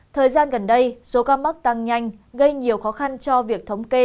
thời gian gần đây số ca mắc tăng nhanh gây nhiều khó khăn cho việc thống kê